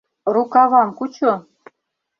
— Рукавам кучо.